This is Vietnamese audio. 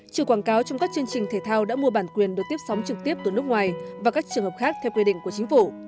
trừ quảng cáo trong các chương trình thể thao đã mua bản quyền được tiếp sóng trực tiếp từ nước ngoài và các trường hợp khác theo quy định của chính phủ